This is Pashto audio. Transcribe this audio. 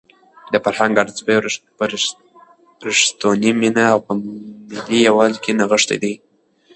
د فرهنګ ارزښت په رښتونې مینه او په ملي یووالي کې نغښتی دی.